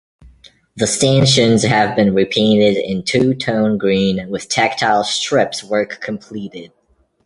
The stanchions have been repainted in two-tone green with tactile strips work completed.